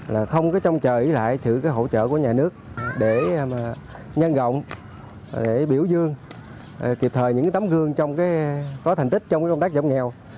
là không có trông chờ ý lại sự hỗ trợ của nhà nước để nhân rộng để biểu dương kịp thời những tấm gương trong có thành tích trong công tác giảm nghèo